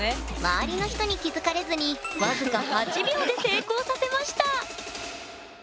周りの人に気付かれずに僅か８秒で成功させました！